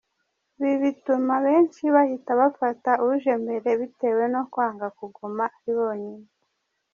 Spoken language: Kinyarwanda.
Ibi bituma benshi bahita bafata uje mbere bitewe no kwanga kuguma ari bonyine.